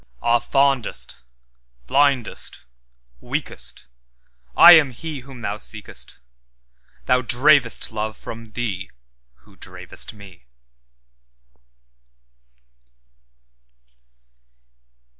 'Ah, fondest, blindest, weakest,I am He Whom thou seekest! Thou dravest love from thee, who dravest Me.